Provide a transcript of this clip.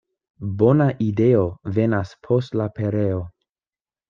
Bona ideo venas post la pereo.